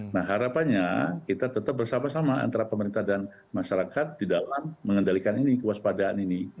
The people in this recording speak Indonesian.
nah harapannya kita tetap bersama sama antara pemerintah dan masyarakat di dalam mengendalikan ini kewaspadaan ini